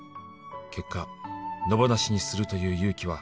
「結果野放しにするという勇気は」